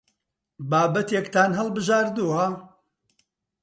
بابەتێکتان هەڵبژاردووە؟